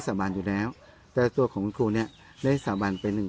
สาบานอยู่แล้วแต่ตัวของคุณครูเนี้ยได้สาบานไปหนึ่ง